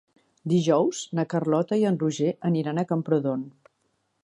Dijous na Carlota i en Roger aniran a Camprodon.